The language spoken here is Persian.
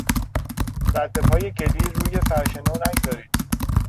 ردپای گلی روی فرش نو نگذارید!